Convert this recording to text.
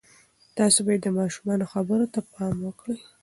تاسې باید د ماشومانو خبرو ته پام وکړئ.